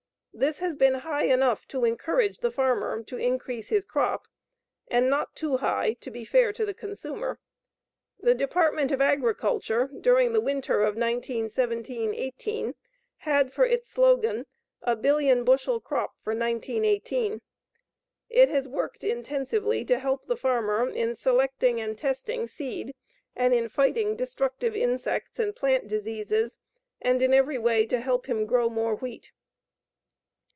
This has been high enough to encourage the farmer to increase his crop and not too high to be fair to the consumer. The Department of Agriculture, during the winter of 1917 18, had for its slogan, "a billion bushel crop for 1918." It has worked intensively to help the farmer in selecting and testing seed and in fighting destructive insects and plant diseases, and in every way to help him grow more wheat.